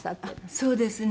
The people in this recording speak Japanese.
そうですね。